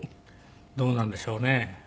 どうなんでしょうね。